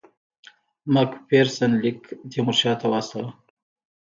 مک فیرسن لیک تیمورشاه ته واستاوه.